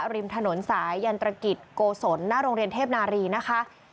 ริมถนนสายยันตรกิจโกศลหน้าโรงเรียนเทพนารีนะคะ